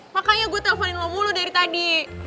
makanya gua telfonin lo mulu dari tadi